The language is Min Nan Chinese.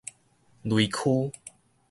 雷丘